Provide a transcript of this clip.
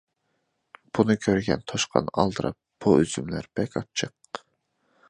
بۇنى كۆرگەن توشقان ئالدىراپ: - بۇ ئۈزۈملەر بەك ئاچچىق!